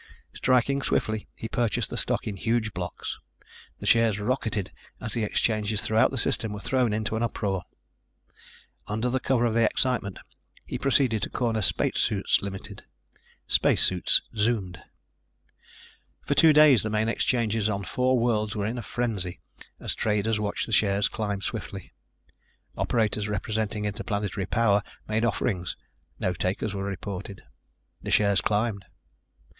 Striking swiftly, he purchased the stock in huge blocks. The shares rocketed as the exchanges throughout the System were thrown into an uproar. Under the cover of the excitement he proceeded to corner Spacesuits Ltd. Spacesuits zoomed. For two days the main exchanges on four worlds were in a frenzy as traders watched the shares climb swiftly. Operators representing Interplanetary Power made offerings. No takers were reported. The shares climbed.